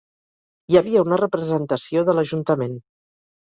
Hi havia una representació de l'ajuntament.